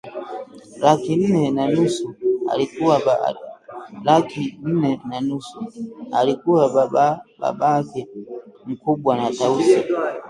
“Laki nne na nusu!” Alikuwa Babake mkubwa na Tausi